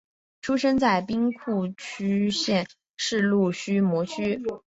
出生在兵库县神户市须磨区。